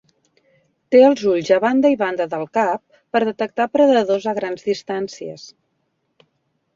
Té els ulls a banda i banda del cap per detectar predadors a grans distàncies.